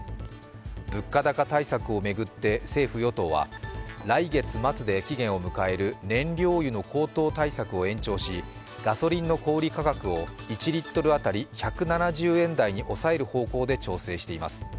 物価高対策を巡って政府・与党は来月末で期限を迎える燃料油の高騰対策を延長しガソリンの小売価格を１リットル当たり１７０円台に抑える方向で調整しています。